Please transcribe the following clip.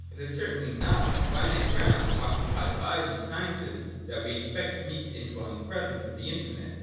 It is certainly not on the finite ground occupied by these sciences that we can expect to meet the in dwelling presence of the infinite.